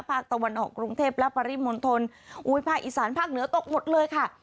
ภาคตะวันออกกรุงเทพและปริมณฑลอุ้ยภาคอีสานภาคเหนือตกหมดเลยค่ะ